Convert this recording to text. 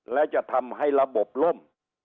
และจะทำให้ระบบล่ม